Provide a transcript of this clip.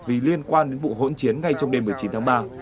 vì liên quan đến vụ hỗn chiến ngay trong đêm một mươi chín tháng ba